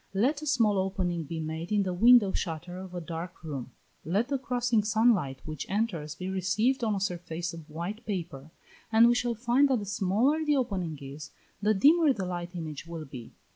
Let a small opening be made in the window shutter of a dark room; let the crossing sun light which enters, be received on a surface of white paper, and we shall find that the smaller the opening is, the dimmer the light image will be.